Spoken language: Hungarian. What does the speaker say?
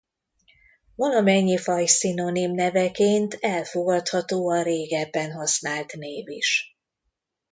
Valamennyi faj szinonim neveként elfogadható a régebben használt név is.